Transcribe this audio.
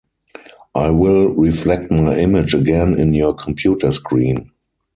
I will reflect my image again in your computer screen.